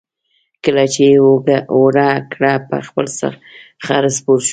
کله چې یې اوړه کړه په خپل خر سپور شو.